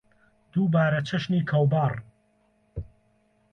دووبارە چەشنی کەوباڕ